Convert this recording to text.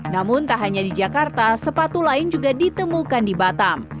namun tak hanya di jakarta sepatu lain juga ditemukan di batam